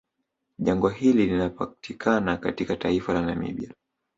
Jangwa hili linapatikana katika taifa la Namibia